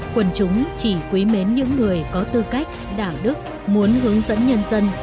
quần chúng chỉ quý mến những người có tư cách đạo đức muốn hướng dẫn nhân dân